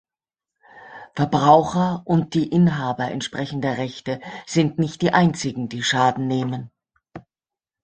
Verbraucher und die Inhaber entsprechender Rechte sind nicht die Einzigen, die Schaden nehmen.